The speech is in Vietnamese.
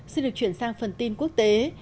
xin được chuyển sang phần tin quốc tế